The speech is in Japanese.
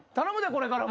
これからも。